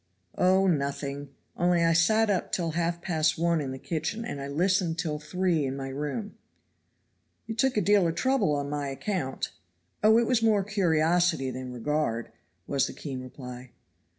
"Oh, nothing; only I sat up till halfpast one in the kitchen, and I listened till three in my room. "You took a deal of trouble on my account." "Oh, it was more curiosity than regard," was the keen reply.